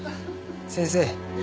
先生